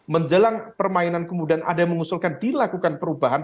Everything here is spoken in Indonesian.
menjelang permainan kemudian ada yang mengusulkan dilakukan perubahan